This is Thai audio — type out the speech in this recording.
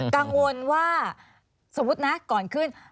กังวลว่าสมมุตินะก่อนขึ้น